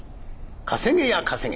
稼げや稼げ。